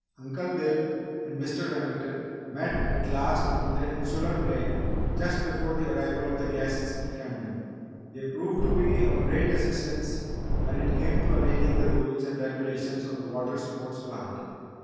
Uncle Bill and Mr. Remington met at last on their 'insular plane' just before the arrival of the guests at Camden. They proved to be of great assistance when it came to arranging the rules and regulations of the water sports planned.